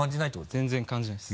全然感じないです。